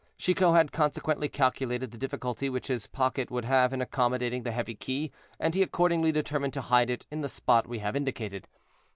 Chicot had consequently calculated the difficulty which his pocket would have in accommodating the heavy key, and he accordingly determined to hide it in the spot we have indicated.